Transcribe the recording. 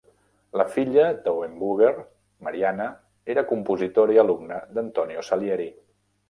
La filla d'Auenrbugger, Marianna, era compositora i alumna d'Antonio Salieri.